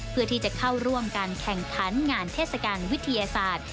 เพื่อที่จะเข้าร่วมการแข่งขันงานเทศกาลวิทยาศาสตร์